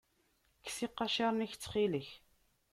Kkes iqaciren-ik, ttxil-k.